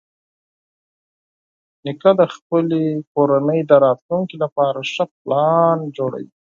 نیکه د خپلې کورنۍ د راتلونکي لپاره ښه پلان جوړوي.